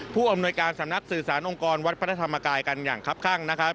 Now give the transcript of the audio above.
ผู้อำนวยการสำนักสื่อสารองค์กรวัดพระธรรมกายกันอย่างครับข้างนะครับ